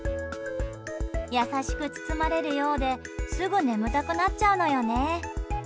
優しく包まれるようですぐ眠たくなっちゃうのよね。